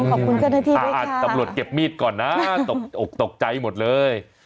ขอบคุณเจ้าหน้าที่ด้วยค่ะอ่าตัพโหลดเก็บมีดก่อนอ่ะตกใจหมดเลย